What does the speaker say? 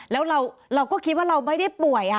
แล้วเราก็คิดว่าเราไม่ได้ป่วย